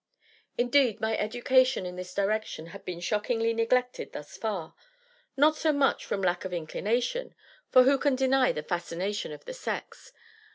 Indeed, my education, in this direction, had been shockingly neglected thus far, not so much from lack of inclination (for who can deny the fascination of the Sex?)